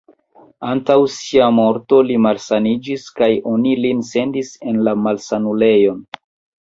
Antaŭ sia morto li malsaniĝis kaj oni lin sendis en la malsanulejon.